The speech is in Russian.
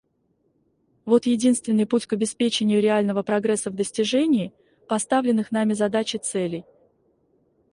Вот единственный путь к обеспечению реального прогресса в достижении поставленных нами задач и целей.